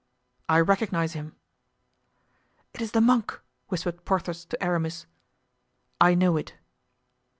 "I recognize him." "It is the monk," whispered Porthos to Aramis. "I know it."